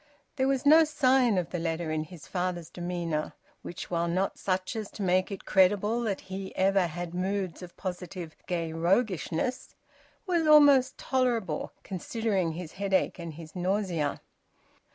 There was no sign of the letter in his father's demeanour, which, while not such as to make it credible that he ever had moods of positive gay roguishness, was almost tolerable, considering his headache and his nausea.